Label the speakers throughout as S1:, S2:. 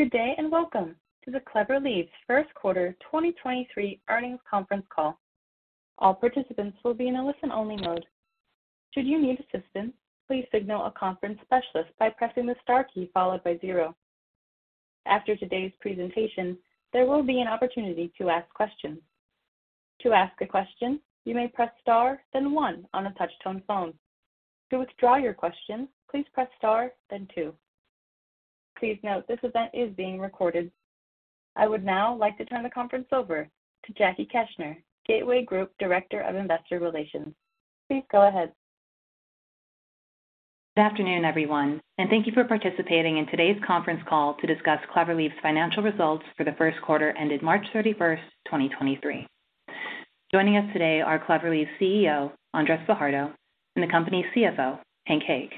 S1: Good day, and welcome to the Clever Leaves Q1 2023 earnings conference call. All participants will be in a listen-only mode. Should you need assistance, please signal a conference specialist by pressing the star key followed by zero. After today's presentation, there will be an opportunity to ask questions. To ask a question, you may press Star, then one on a touch-tone phone. To withdraw your question, please press Star, then two. Please note this event is being recorded. I would now like to turn the conference over to Jackie Keshner, Gateway Group, Director of Investor Relations. Please go ahead.
S2: Good afternoon, everyone, and thank you for participating in today's conference call to discuss Clever Leaves financial results for the Q1 ended March 31, 2023. Joining us today are Clever Leaves CEO, Andres Fajardo, and the company's CFO, Hank Hague.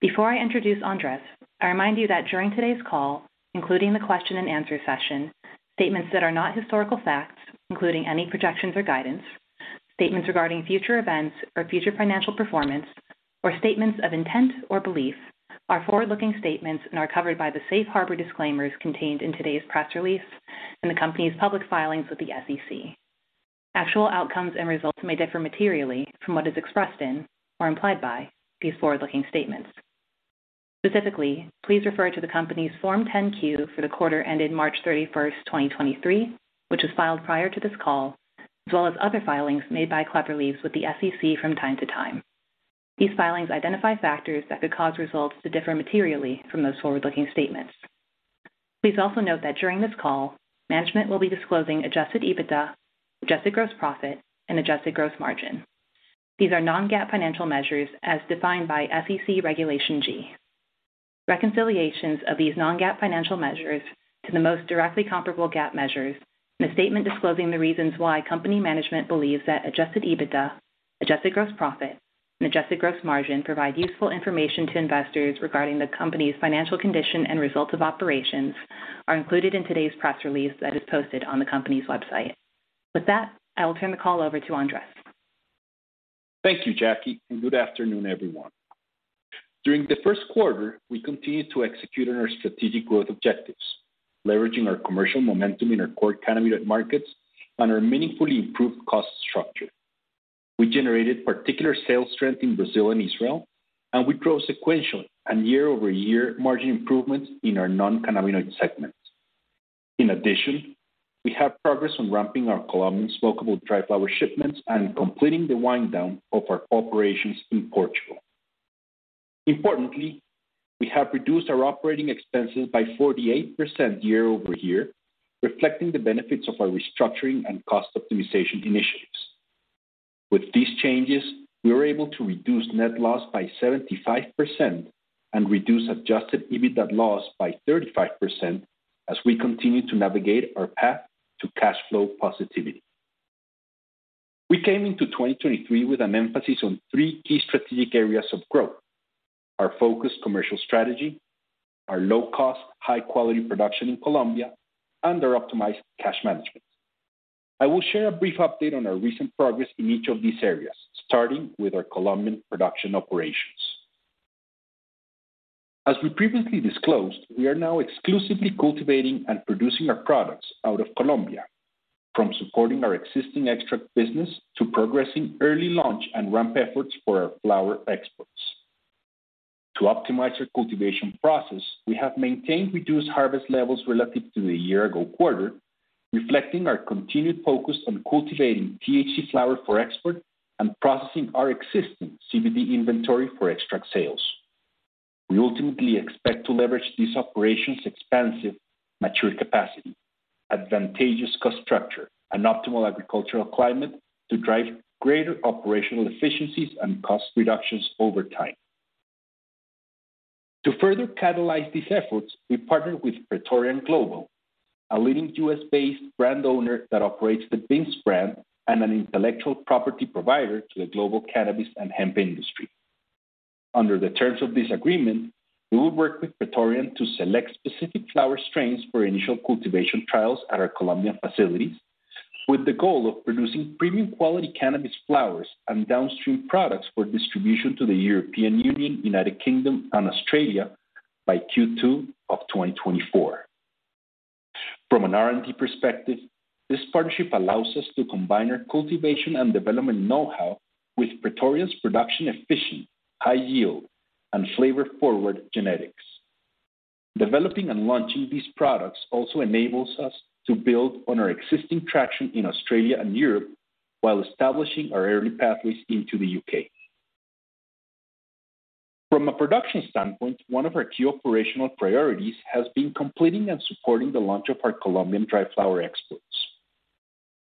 S2: Before I introduce Andres, I remind you that during today's call, including the question and answer session, statements that are not historical facts, including any projections or guidance, statements regarding future events or future financial performance, or statements of intent or belief, are forward-looking statements and are covered by the safe harbor disclaimers contained in today's press release and the company's public filings with the SEC. Actual outcomes and results may differ materially from what is expressed in or implied by these forward-looking statements. Specifically, please refer to the company's Form 10-Q for the quarter ended March 31, 2023, which was filed prior to this call, as well as other filings made by Clever Leaves with the SEC from time to time. These filings identify factors that could cause results to differ materially from those forward-looking statements. Please also note that during this call, management will be disclosing adjusted EBITDA, adjusted gross profit, and adjusted gross margin. These are non-GAAP financial measures as defined by SEC Regulation G. Reconciliations of these non-GAAP financial measures to the most directly comparable GAAP measures, and a statement disclosing the reasons why company management believes that adjusted EBITDA, adjusted gross profit, and adjusted gross margin provide useful information to investors regarding the company's financial condition and results of operations are included in today's press release that is posted on the company's website. With that, I will turn the call over to Andres.
S3: Thank you, Jackie. Good afternoon, everyone. During the Q1, we continued to execute on our strategic growth objectives, leveraging our commercial momentum in our core cannabinoid markets and our meaningfully improved cost structure. We generated particular sales strength in Brazil and Israel. We drove sequential and year-over-year margin improvements in our non-cannabinoid segments. In addition, we have progress on ramping our Colombian smokable dry flower shipments and completing the wind down of our operations in Portugal. Importantly, we have reduced our operating expenses by 48% year-over-year, reflecting the benefits of our restructuring and cost optimization initiatives. With these changes, we were able to reduce net loss by 75% and reduce adjusted EBITDA loss by 35% as we continue to navigate our path to cash flow positivity. We came into 2023 with an emphasis on three key strategic areas of growth: our focused commercial strategy, our low-cost, high-quality production in Colombia, and our optimized cash management. I will share a brief update on our recent progress in each of these areas, starting with our Colombian production operations. As we previously disclosed, we are now exclusively cultivating and producing our products out of Colombia, from supporting our existing extract business to progressing early launch and ramp efforts for our flower exports. To optimize our cultivation process, we have maintained reduced harvest levels relative to the year-ago quarter, reflecting our continued focus on cultivating THC flower for export and processing our existing CBD inventory for extract sales. We ultimately expect to leverage this operation's expansive mature capacity, advantageous cost structure, and optimal agricultural climate to drive greater operational efficiencies and cost reductions over time. To further catalyze these efforts, we partnered with Praetorian Global, a leading U.S. based brand owner that operates the Bins brand and an intellectual property provider to the global cannabis and hemp industry. Under the terms of this agreement, we will work with Praetorian to select specific flower strains for initial cultivation trials at our Colombian facilities, with the goal of producing premium quality cannabis flowers and downstream products for distribution to the European Union, United Kingdom, and Australia by Q2 of 2024. From an R&D perspective, this partnership allows us to combine our cultivation and development know-how with Praetorian's production efficient, high-yield, and flavor-forward genetics. Developing and launching these products also enables us to build on our existing traction in Australia and Europe while establishing our early pathways into the U.K. From a production standpoint, one of our key operational priorities has been completing and supporting the launch of our Colombian dry flower exports.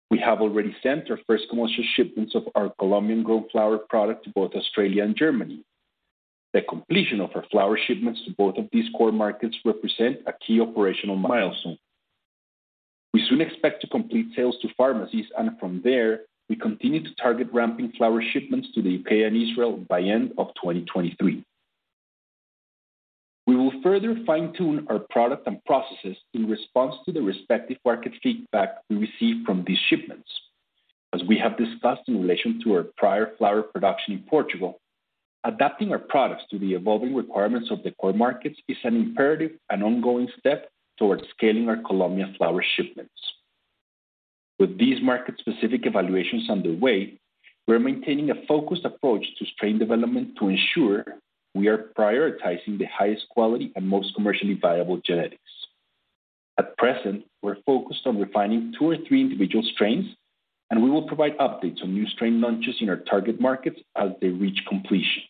S3: We have already sent our first commercial shipments of our Colombian grown flower product to both Australia and Germany. The completion of our flower shipments to both of these core markets represent a key operational milestone. We soon expect to complete sales to pharmacies. From there, we continue to target ramping flower shipments to the U.K. and Israel by end of 2023. We will further fine-tune our product and processes in response to the respective market feedback we receive from these shipments. As we have discussed in relation to our prior flower production in Portugal, adapting our products to the evolving requirements of the core markets is an imperative and ongoing step towards scaling our Colombian flower shipments. With these market-specific evaluations underway, we're maintaining a focused approach to strain development to ensure we are prioritizing the highest quality and most commercially viable genetics. At present, we're focused on refining two or three individual strains, and we will provide updates on new strain launches in our target markets as they reach completion.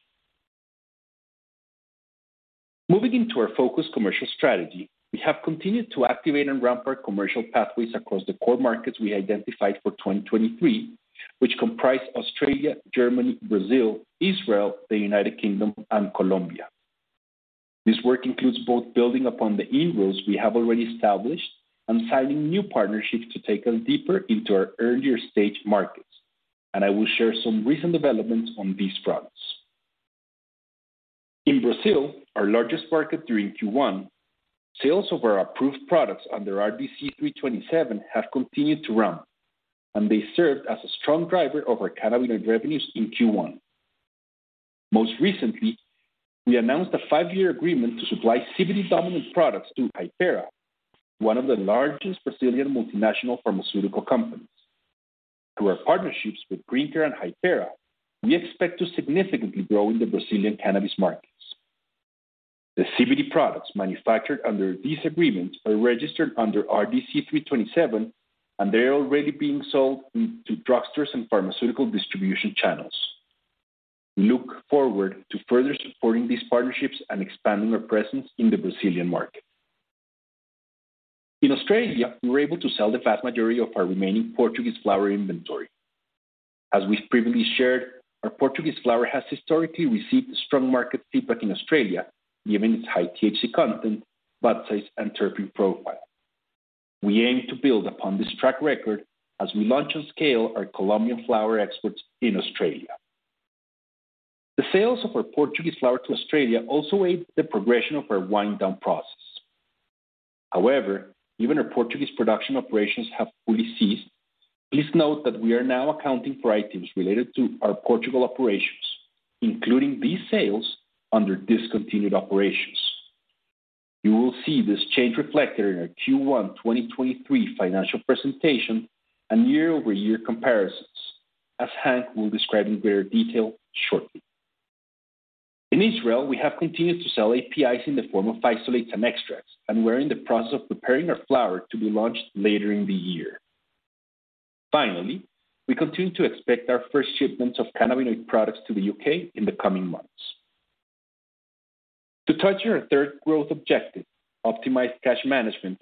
S3: Moving into our focus commercial strategy, we have continued to activate and ramp our commercial pathways across the core markets we identified for 2023, which comprise Australia, Germany, Brazil, Israel, the United Kingdom, and Colombia. This work includes both building upon the inroads we have already established and signing new partnerships to take us deeper into our earlier-stage markets, and I will share some recent developments on these fronts. In Brazil, our largest market during Q1, sales of our approved products under RDC 327 have continued to ramp. They served as a strong driver of our cannabinoid revenues in Q1. Most recently, we announced a five-year agreement to supply CBD-dominant products through Hypera, one of the largest Brazilian multinational pharmaceutical companies. Through our partnerships with GreenCare and Hypera, we expect to significantly grow in the Brazilian cannabis markets. The CBD products manufactured under these agreements are registered under RDC 327. They are already being sold to drugstores and pharmaceutical distribution channels. We look forward to further supporting these partnerships and expanding our presence in the Brazilian market. In Australia, we were able to sell the vast majority of our remaining Portuguese flower inventory. As we've previously shared, our Portuguese flower has historically received strong market feedback in Australia, given its high THC content, bud size, and terpene profile. We aim to build upon this track record as we launch and scale our Colombian flower exports in Australia. The sales of our Portuguese flower to Australia also aid the progression of our wind-down process. Even our Portuguese production operations have fully ceased. Please note that we are now accounting for items related to our Portugal operations, including these sales under discontinued operations. You will see this change reflected in our Q1 2023 financial presentation and year-over-year comparisons, as Hank will describe in greater detail shortly. In Israel, we have continued to sell APIs in the form of isolates and extracts, and we're in the process of preparing our flower to be launched later in the year. Finally, we continue to expect our first shipments of cannabinoid products to the U.K. in the coming months. To touch on our third growth objective, optimized cash management,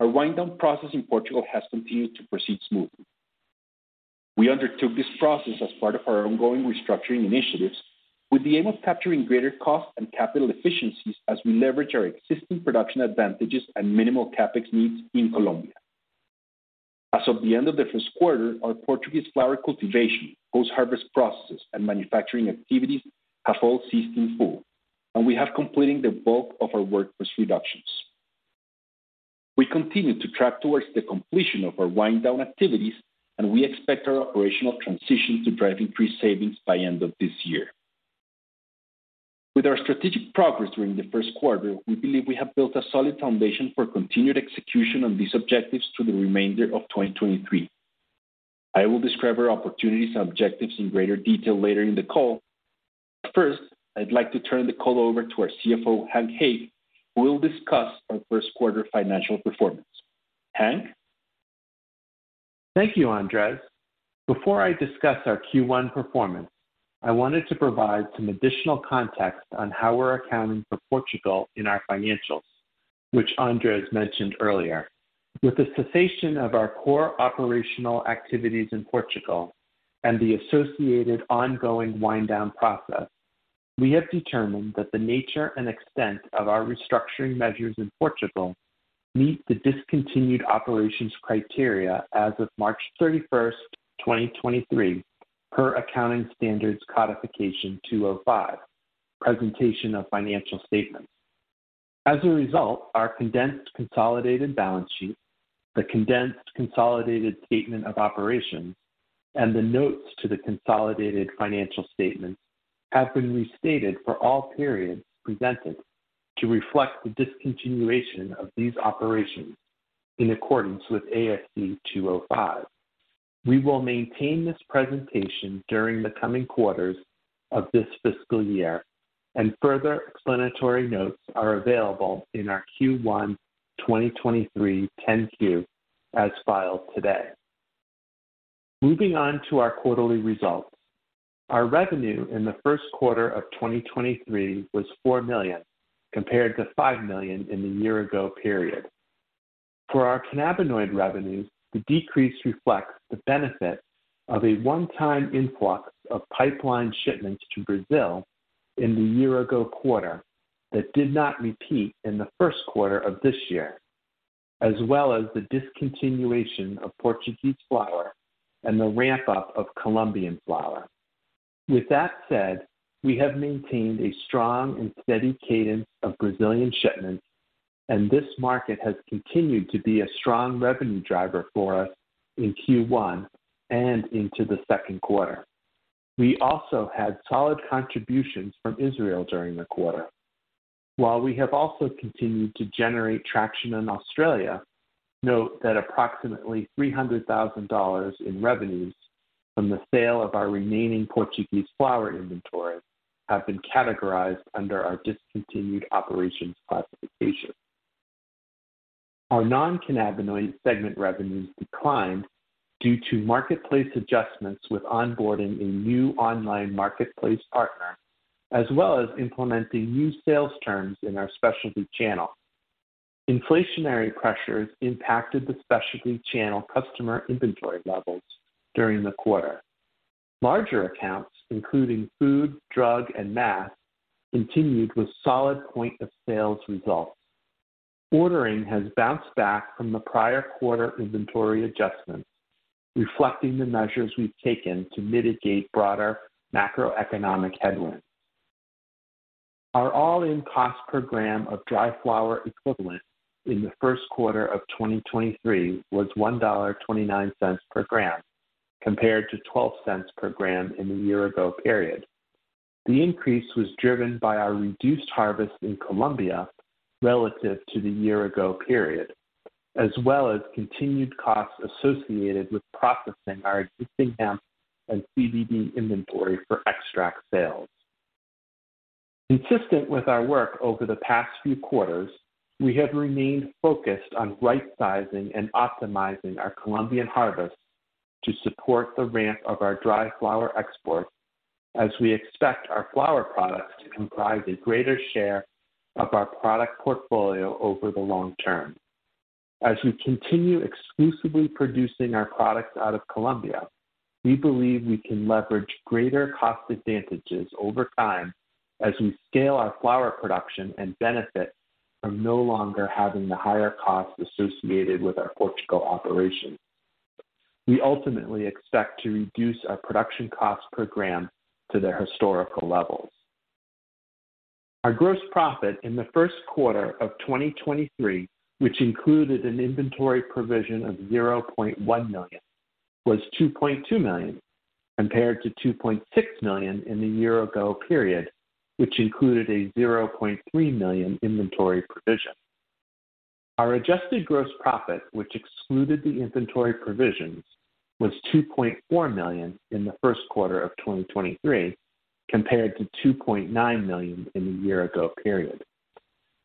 S3: our wind-down process in Portugal has continued to proceed smoothly. We undertook this process as part of our ongoing restructuring initiatives with the aim of capturing greater cost and capital efficiencies as we leverage our existing production advantages and minimal CapEx needs in Colombia. As of the end of the Q1, our Portuguese flower cultivation, post-harvest processes, and manufacturing activities have all ceased in full, and we have completed the bulk of our workforce reductions. We continue to track towards the completion of our wind-down activities, and we expect our operational transition to drive increased savings by end of this year. With our strategic progress during the Q1, we believe we have built a solid foundation for continued execution on these objectives through the remainder of 2023. I will describe our opportunities and objectives in greater detail later in the call. First, I'd like to turn the call over to our CFO, Hank Hague, who will discuss our Q1 financial performance. Hank?
S4: Thank you, Andres. Before I discuss our Q1 performance, I wanted to provide some additional context on how we're accounting for Portugal in our financials, which Andres mentioned earlier. With the cessation of our core operational activities in Portugal and the associated ongoing wind-down process, we have determined that the nature and extent of our restructuring measures in Portugal meet the discontinued operations criteria as of March 31, 2023, per Accounting Standards Codification 205, Presentation of Financial Statements. As a result, our condensed consolidated balance sheet, the condensed consolidated statement of operations, and the notes to the consolidated financial statements have been restated for all periods presented to reflect the discontinuation of these operations in accordance with ASC 205. We will maintain this presentation during the coming quarters of this fiscal year. Further explanatory notes are available in our Q1 2023 10-Q, as filed today. Moving on to our quarterly results. Our revenue in the Q1 of 2023 was $4 million, compared to $5 million in the year-ago period. For our cannabinoid revenues, the decrease reflects the benefit of a one-time influx of pipelined shipments to Brazil in the year-ago quarter that did not repeat in the Q1 of this year, as well as the discontinuation of Portuguese flower and the ramp-up of Colombian flower. With that said, we have maintained a strong and steady cadence of Brazilian shipments, and this market has continued to be a strong revenue driver for us in Q1 and into the Q2. We also had solid contributions from Israel during the quarter. While we have also continued to generate traction in Australia, note that approximately $300,000 in revenues from the sale of our remaining Portuguese flower inventory have been categorized under our discontinued operations classification. Our non-cannabinoid segment revenues declined due to marketplace adjustments with onboarding a new online marketplace partner, as well as implementing new sales terms in our specialty channel. Inflationary pressures impacted the specialty channel customer inventory levels during the quarter. Larger accounts, including food, drug, and mass, continued with solid point of sales results. Ordering has bounced back from the prior quarter inventory adjustments, reflecting the measures we've taken to mitigate broader macroeconomic headwinds. Our all-in cost per gram of dry flower equivalent in the Q1 of 2023 was $1.29 per gram, compared to $0.12 per gram in the year ago period. The increase was driven by our reduced harvest in Colombia relative to the year ago period, as well as continued costs associated with processing our existing hemp and CBD inventory for extract sales. Consistent with our work over the past few quarters, we have remained focused on right-sizing and optimizing our Colombian harvest to support the ramp of our dry flower exports as we expect our flower products to comprise a greater share of our product portfolio over the long term. As we continue exclusively producing our products out of Colombia, we believe we can leverage greater cost advantages over time as we scale our flower production and benefit from no longer having the higher costs associated with our Portugal operations. We ultimately expect to reduce our production cost per gram to their historical levels. Our gross profit in the Q1 of 2023, which included an inventory provision of $0.1 million, was $2.2 million, compared to $2.6 million in the year-ago period, which included a $0.3 million inventory provision. Our adjusted gross profit, which excluded the inventory provisions, was $2.4 million in the Q1 of 2023, compared to $2.9 million in the year-ago period.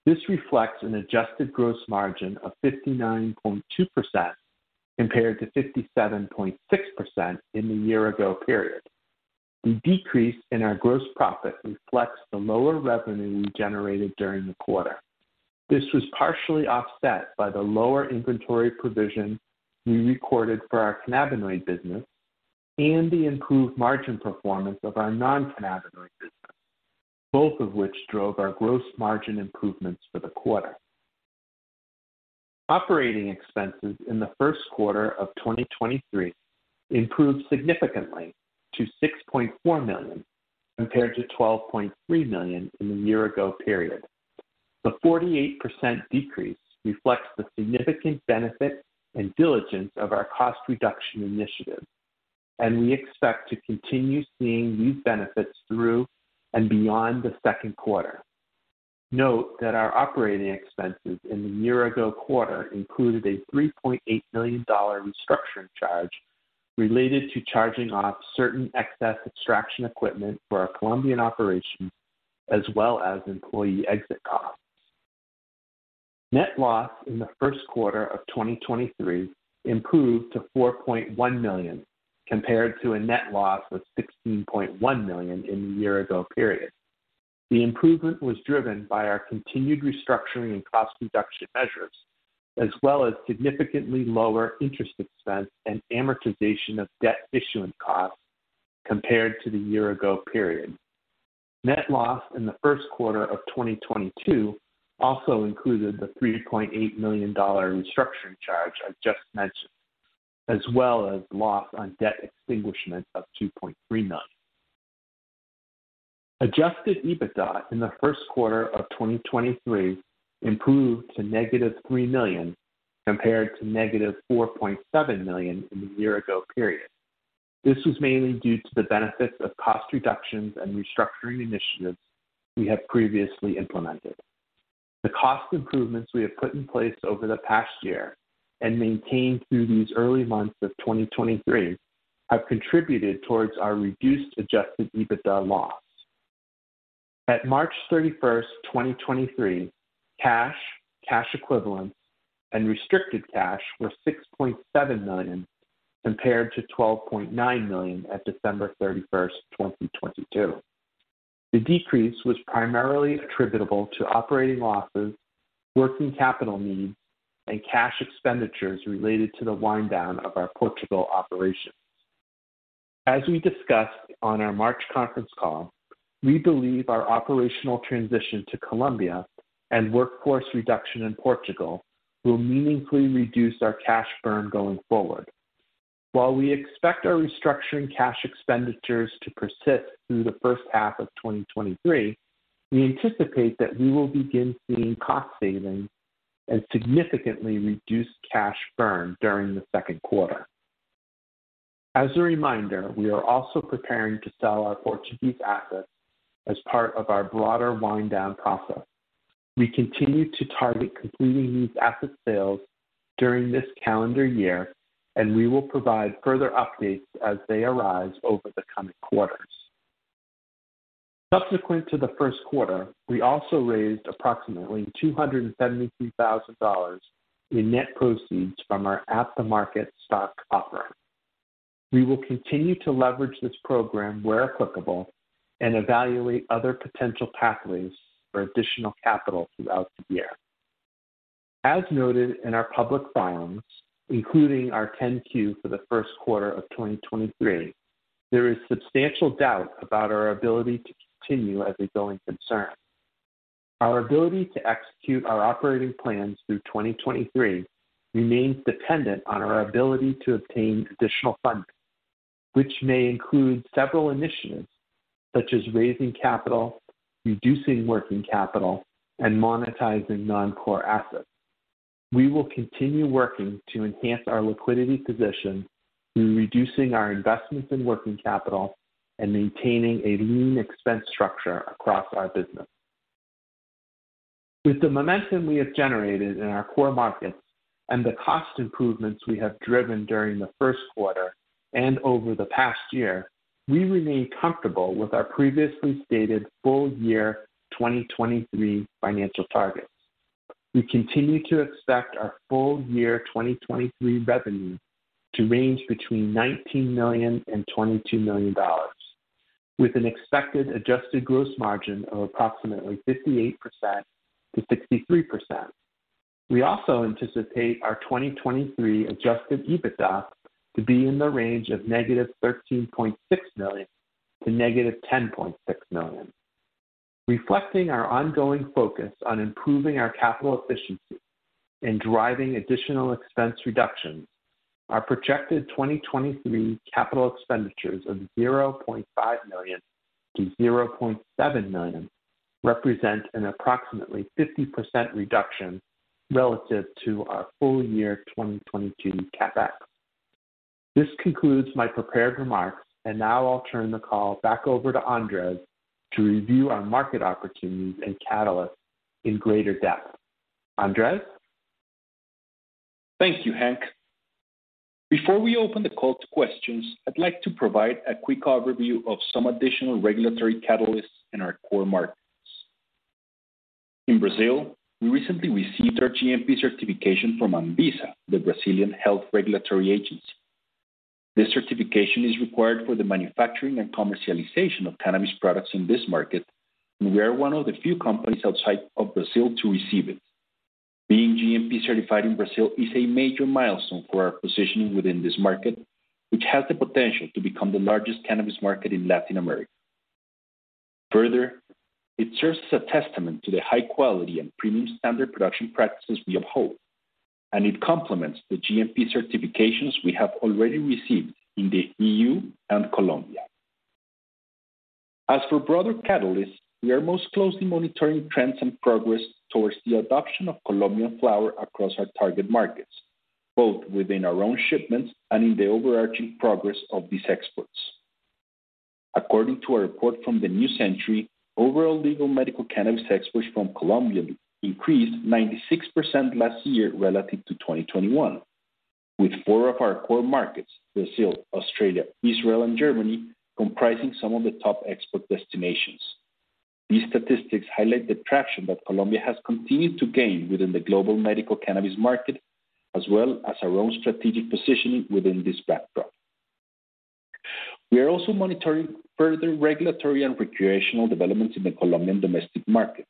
S4: This reflects an adjusted gross margin of 59.2% compared to 57.6% in the year-ago period. The decrease in our gross profit reflects the lower revenue we generated during the quarter. This was partially offset by the lower inventory provision we recorded for our cannabinoid business and the improved margin performance of our non-cannabinoid business, both of which drove our gross margin improvements for the quarter. Operating expenses in the Q1 of 2023 improved significantly to $6.4 million compared to $12.3 million in the year-ago period. The 48% decrease reflects the significant benefit and diligence of our cost reduction initiative. We expect to continue seeing these benefits through and beyond the Q2. Note that our operating expenses in the year-ago quarter included a $3.8 million restructuring charge related to charging off certain excess extraction equipment for our Colombian operations, as well as employee exit costs. Net loss in the Q1 of 2023 improved to $4.1 million, compared to a net loss of $16.1 million in the year-ago period. The improvement was driven by our continued restructuring and cost reduction measures, as well as significantly lower interest expense and amortization of debt issuance costs compared to the year ago period. Net loss in the Q1 of 2022 also included the $3.8 million restructuring charge I just mentioned, as well as loss on debt extinguishment of $2.3 million. Adjusted EBITDA in the Q1 of 2023 improved to negative $3 million compared to negative $4.7 million in the year ago period. This was mainly due to the benefits of cost reductions and restructuring initiatives we have previously implemented. The cost improvements we have put in place over the past year and maintained through these early months of 2023 have contributed towards our reduced adjusted EBITDA loss. At March 31, 2023, cash equivalents, and restricted cash were $6.7 million, compared to $12.9 million at December 31, 2022. The decrease was primarily attributable to operating losses, working capital needs, and cash expenditures related to the wind down of our Portugal operations. As we discussed on our March conference call. We believe our operational transition to Colombia and workforce reduction in Portugal will meaningfully reduce our cash burn going forward. While we expect our restructuring cash expenditures to persist through the first half of 2023, we anticipate that we will begin seeing cost savings and significantly reduced cash burn during the Q2. As a reminder, we are also preparing to sell our Portuguese assets as part of our broader wind down process. We continue to target completing these asset sales during this calendar year, and we will provide further updates as they arise over the coming quarters. Subsequent to the Q1, we also raised approximately $273,000 in net proceeds from our at-the-market stock offering. We will continue to leverage this program where applicable and evaluate other potential pathways for additional capital throughout the year. As noted in our public filings, including our 10-Q for the Q1 of 2023, there is substantial doubt about our ability to continue as a going concern. Our ability to execute our operating plans through 2023 remains dependent on our ability to obtain additional funding, which may include several initiatives such as raising capital, reducing working capital, and monetizing non-core assets. We will continue working to enhance our liquidity position through reducing our investments in working capital and maintaining a lean expense structure across our business. With the momentum we have generated in our core markets and the cost improvements we have driven during the Q1 and over the past year, we remain comfortable with our previously stated full year 2023 financial targets. We continue to expect our full year 2023 revenue to range between $19 million and $22 million, with an expected adjusted gross margin of approximately 58%-63%. We also anticipate our 2023 adjusted EBITDA to be in the range of negative $13.6 million to negative $10.6 million. Reflecting our ongoing focus on improving our capital efficiency and driving additional expense reductions, our projected 2023 capital expenditures of $0.5 million-$0.7 million represent an approximately 50% reduction relative to our full year 2022 CapEx. This concludes my prepared remarks, and now I'll turn the call back over to Andres to review our market opportunities and catalysts in greater depth. Andres.
S3: Thank you, Hank. Before we open the call to questions, I'd like to provide a quick overview of some additional regulatory catalysts in our core markets. In Brazil, we recently received our GMP certification from ANVISA, the Brazilian health regulatory agency. This certification is required for the manufacturing and commercialization of cannabis products in this market, and we are one of the few companies outside of Brazil to receive it. Being GMP certified in Brazil is a major milestone for our positioning within this market, which has the potential to become the largest cannabis market in Latin America. Further, it serves as a testament to the high quality and premium standard production practices we uphold, and it complements the GMP certifications we have already received in the EU and Colombia. As for broader catalysts, we are most closely monitoring trends and progress towards the adoption of Colombian flower across our target markets, both within our own shipments and in the overarching progress of these exports. According to a report from The New Century, overall legal medical cannabis exports from Colombia increased 96% last year relative to 2021, with four of our core markets, Brazil, Australia, Israel, and Germany, comprising some of the top export destinations. These statistics highlight the traction that Colombia has continued to gain within the global medical cannabis market, as well as our own strategic positioning within this backdrop. We are also monitoring further regulatory and recreational developments in the Colombian domestic market.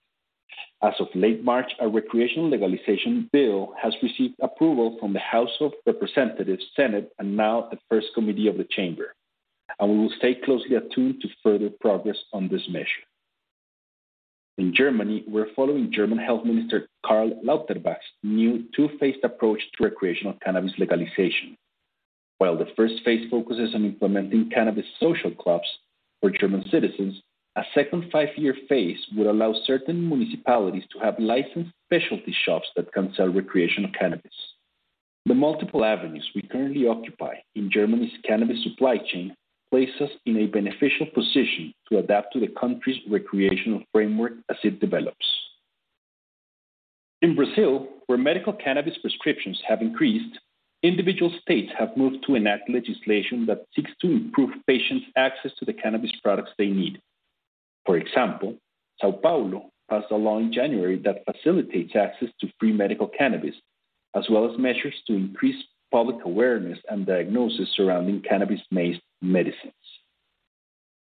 S3: As of late March, our recreational legalization bill has received approval from the House of Representatives, Senate, and now the First Committee of the Chamber. We will stay closely attuned to further progress on this measure. In Germany, we're following German Health Minister Karl Lauterbach's new two-phased approach to recreational cannabis legalization. While the first phase focuses on implementing cannabis social clubs for German citizens, a second 5-year phase would allow certain municipalities to have licensed specialty shops that can sell recreational cannabis. The multiple avenues we currently occupy in Germany's cannabis supply chain place us in a beneficial position to adapt to the country's recreational framework as it develops. In Brazil, where medical cannabis prescriptions have increased, individual states have moved to enact legislation that seeks to improve patients' access to the cannabis products they need. For example, São Paulo passed a law in January that facilitates access to free medical cannabis, as well as measures to increase public awareness and diagnosis surrounding cannabis-based medicines.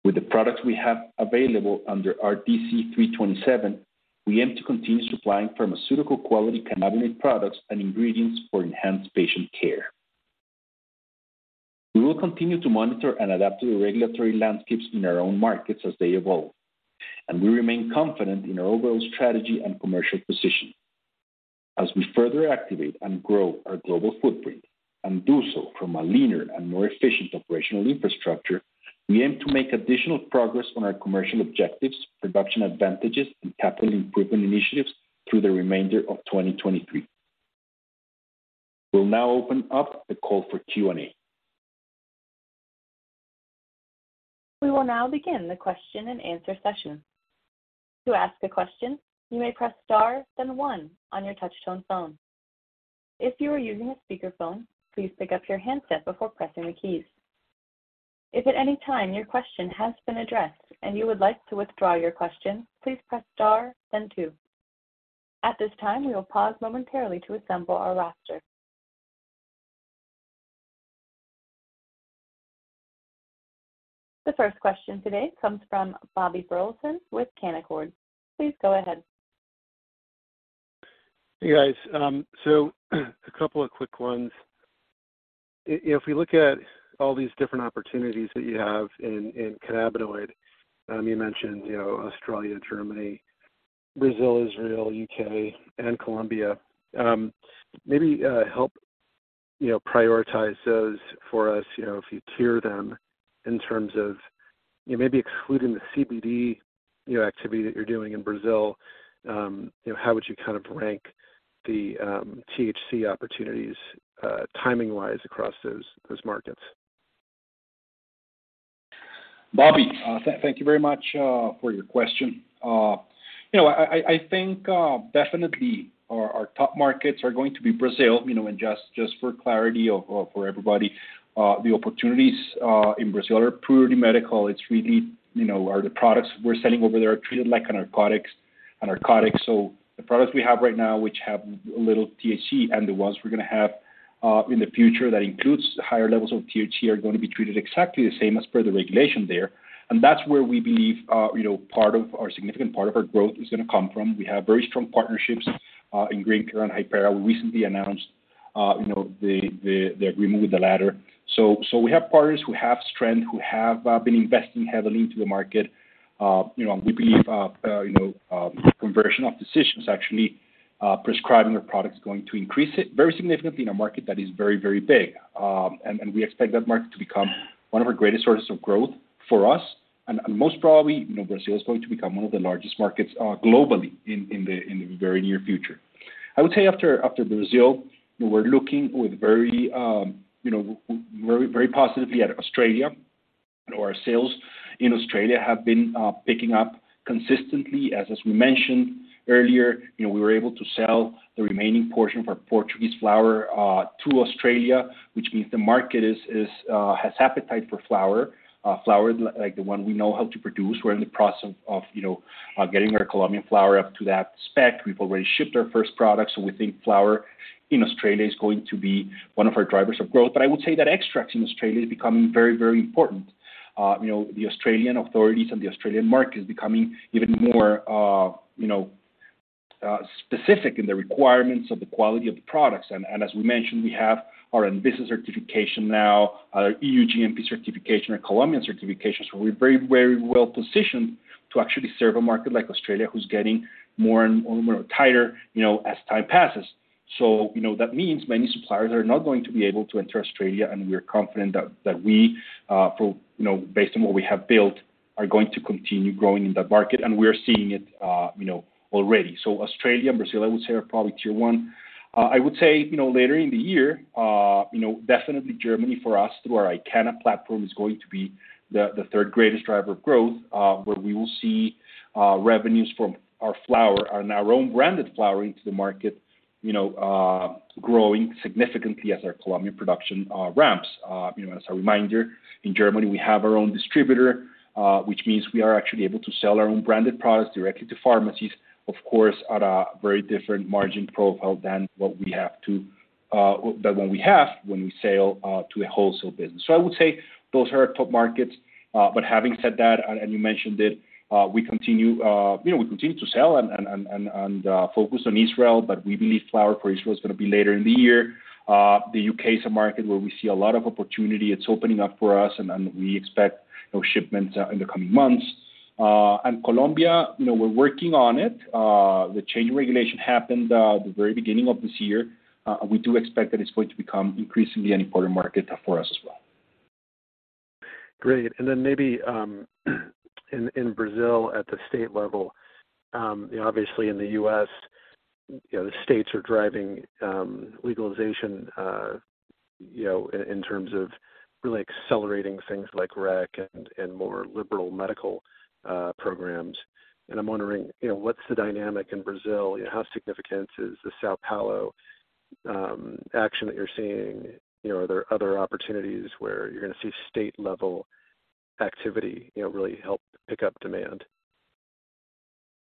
S3: With the products we have available under RDC 327, we aim to continue supplying pharmaceutical-quality cannabinoid products and ingredients for enhanced patient care. We will continue to monitor and adapt to the regulatory landscapes in our own markets as they evolve. We remain confident in our overall strategy and commercial position. As we further activate and grow our global footprint and do so from a leaner and more efficient operational infrastructure, we aim to make additional progress on our commercial objectives, production advantages, and capital improvement initiatives through the remainder of 2023. We'll now open up the call for Q&A.
S1: We will now begin the question-and-answer session. To ask a question, you may press star, then one on your touchtone phone. If you are using a speakerphone, please pick up your handset before pressing the keys. If at any time your question has been addressed and you would like to withdraw your question, please press star then two. At this time, we will pause momentarily to assemble our roster. The first question today comes from Bobby Burleson with Canaccord. Please go ahead.
S5: Hey, guys. A couple of quick ones. If we look at all these different opportunities that you have in cannabinoid, you mentioned, you know, Australia, Germany, Brazil, Israel, U.K. and Colombia, maybe help, you know, prioritize those for us, you know, if you tier them in terms of, you know, maybe excluding the CBD, you know, activity that you're doing in Brazil, you know, how would you kind of rank the THC opportunities, timing-wise across those markets?
S3: Bobby Burleson, thank you very much for your question. You know, I, I think, definitely our top markets are going to be Brazil, you know. Just, just for clarity of for everybody, the opportunities in Brazil are purely medical. It's really, you know, are the products we're selling over there are treated like narcotics. The products we have right now, which have a little THC and the ones we're gonna have in the future that includes higher levels of THC, are gonna be treated exactly the same as per the regulation there. That's where we believe, you know, part of or a significant part of our growth is gonna come from. We have very strong partnerships in GreenCare and Hypera. We recently announced, you know, the, the agreement with the latter. We have partners who have strength, who have been investing heavily into the market. You know, we believe, you know, conversion of physicians actually prescribing their products is going to increase it very significantly in a market that is very, very big. We expect that market to become one of our greatest sources of growth for us. Most probably, you know, Brazil is going to become one of the largest markets globally in the very near future. I would say after Brazil, we're looking with very, you know, very positively at Australia. Our sales in Australia have been picking up consistently. As we mentioned earlier, you know, we were able to sell the remaining portion of our Portuguese flower to Australia, which means the market is, has appetite for flower. Flower like the one we know how to produce. We're in the process of, you know, getting our Colombian flower up to that spec. We've already shipped our first product, so we think flower in Australia is going to be one of our drivers of growth. I would say that extracts in Australia is becoming very, very important. You know, the Australian authorities and the Australian market is becoming even more, you know, specific in the requirements of the quality of the products. As we mentioned, we have our ANVISA certification now, our EU GMP certification, our Colombian certifications. We're very, very well positioned to actually serve a market like Australia, who's getting more and more tighter, you know, as time passes. That means many suppliers are not going to be able to enter Australia and we are confident that we, for, you know, based on what we have built, are going to continue growing in that market and we are seeing it, you know, already. Australia and Brazil, I would say, are probably tier one. I would say, you know, later in the year, you know, definitely Germany for us through our iCannab platform is going to be the third greatest driver of growth, where we will see revenues from our flower and our own branded flower into the market, you know, growing significantly as our Colombian production ramps. You know, as a reminder, in Germany we have our own distributor, which means we are actually able to sell our own branded products directly to pharmacies, of course at a very different margin profile than what we have to, than what we have when we sell to a wholesale business. I would say those are our top markets. But having said that, and you mentioned it, we continue, you know, we continue to sell and focus on Israel, but we believe flower for Israel is gonna be later in the year. The U.K. is a market where we see a lot of opportunity. It's opening up for us and we expect those shipments in the coming months. Colombia, you know, we're working on it. The change in regulation happened, the very beginning of this year. We do expect that it's going to become increasingly an important market for us as well.
S5: Great. Maybe, in Brazil at the state level, you know, obviously in the U.S., you know, the states are driving, legalization, you know, in terms of really accelerating things like rec and more liberal medical, programs. I'm wondering, you know, what's the dynamic in Brazil? How significant is the São Paulo, action that you're seeing? You know, are there other opportunities where you're gonna see state level activity, you know, really help pick up demand?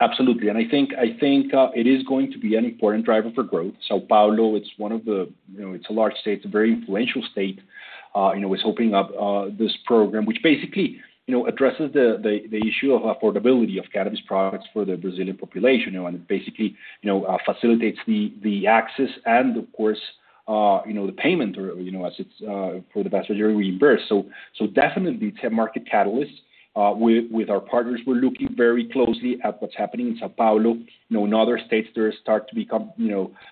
S3: Absolutely. I think it is going to be an important driver for growth. São Paulo, it's one of the, it's a large state. It's a very influential state, is opening up this program, which basically addresses the issue of affordability of cannabis products for the Brazilian population. It basically facilitates the access and of course the payment or, as it's for the passenger reimburse. So definitely it's a market catalyst. With our partners, we're looking very closely at what's happening in São Paulo. In other states there start to become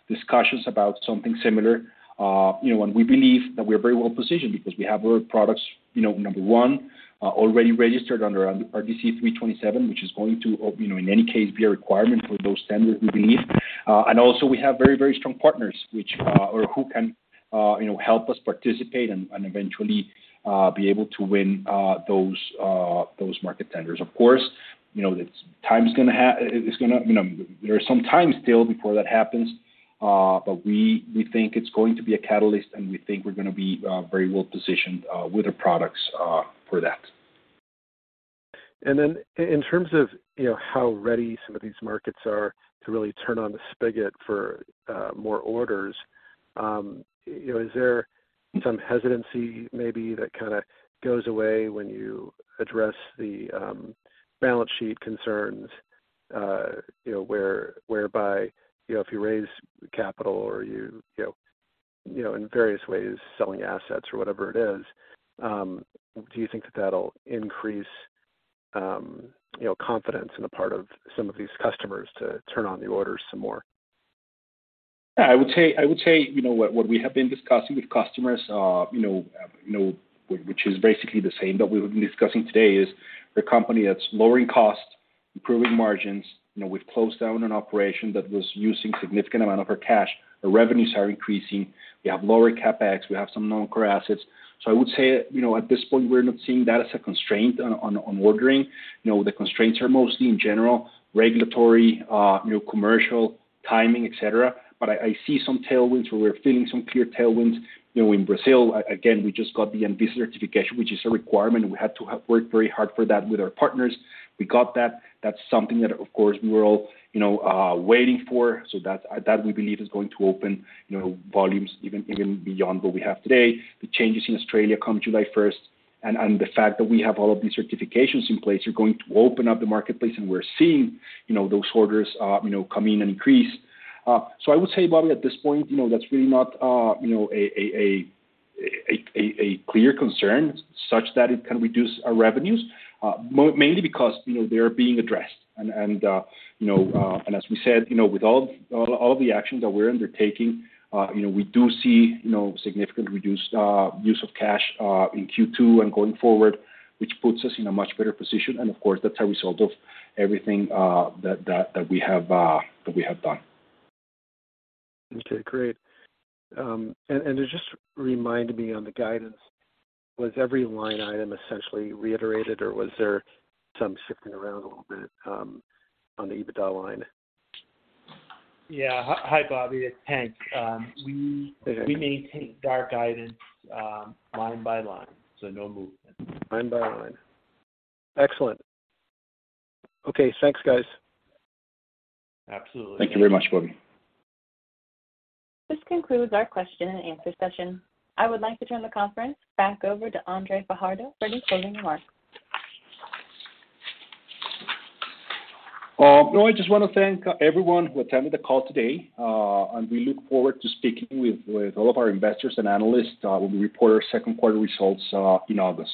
S3: discussions about something similar. You know, we believe that we're very well-positioned because we have our products, you know, number one, already registered under RDC 327, which is going to, you know, in any case, be a requirement for those standards, we believe. Also, we have very strong partners which, or who can, you know, help us participate and eventually, be able to win, those market tenders. Of course, you know, it's gonna, you know, there are some time still before that happens, but we think it's going to be a catalyst, and we think we're gonna be, very well-positioned, with the products, for that.
S5: In terms of, you know, how ready some of these markets are to really turn on the spigot for more orders, you know, is there some hesitancy maybe that kinda goes away when you address the balance sheet concerns, you know, whereby, you know, if you raise capital or you know, in various ways selling assets or whatever it is, do you think that that'll increase, you know, confidence in the part of some of these customers to turn on the orders some more?
S3: I would say, you know, what we have been discussing with customers, you know, which is basically the same that we've been discussing today, is the company that's lowering costs, improving margins. You know, we've closed down an operation that was using significant amount of our cash. The revenues are increasing. We have lower CapEx. We have some non-core assets. I would say, you know, at this point we're not seeing that as a constraint on ordering. You know, the constraints are mostly in general, regulatory, you know, commercial timing, et cetera. I see some tailwinds where we're feeling some clear tailwinds, you know, in Brazil. Again, we just got the ANVISA certification, which is a requirement, and we had to have worked very hard for that with our partners. We got that. That's something that of course we were all, you know, waiting for. That we believe is going to open, you know, volumes even beyond what we have today. The changes in Australia come July 1. The fact that we have all of these certifications in place are going to open up the marketplace, and we're seeing, you know, those orders, you know, come in and increase. I would say, Bobby, at this point, you know, that's really not, you know, a clear concern such that it can reduce our revenues, mainly because, you know, they're being addressed. You know, as we said, you know, with all the actions that we're undertaking, you know, we do see, you know, significant reduced use of cash in Q2 and going forward, which puts us in a much better position. Of course, that's a result of everything that we have done.
S5: Okay, great. It just reminded me on the guidance, was every line item essentially reiterated, or was there some shifting around a little bit, on the EBITDA line?
S4: Yeah. Hi, Bobby, it's Hank.
S5: Okay.
S4: We maintain our guidance, line by line, so no movement.
S5: Line by line. Excellent. Okay, thanks, guys.
S4: Absolutely.
S3: Thank you very much, Bobby.
S1: This concludes our question and answer session. I would like to turn the conference back over to Andres Fajardo for any closing remarks.
S3: No, I just wanna thank everyone who attended the call today. We look forward to speaking with all of our investors and analysts, when we report our Q2 results, in August.